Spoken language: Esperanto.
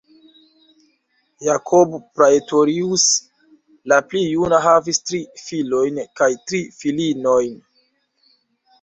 Jacob Praetorius la pli juna havis tri filojn kaj tri filinojn.